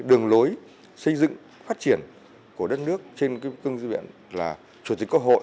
đường lối xây dựng phát triển của đất nước trên cương diện là chủ tịch quốc hội